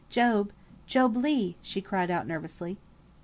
"Job! Job Legh!" she cried out, nervously.